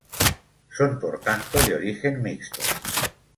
Son por tanto de origen mixto.